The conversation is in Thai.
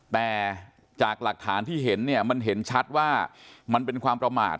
แต่จากหลักฐานที่เห็นเนี่ยมันเห็นชัดว่ามันเป็นความประมาท